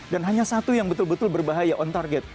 dan hanya satu yang betul betul berbahaya on target